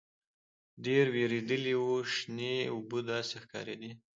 ډېر وېردلي وو شنې اوبه داسې ښکارېدې.